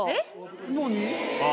何？